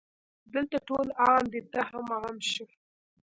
دلته ټول عام دي ته هم عام شه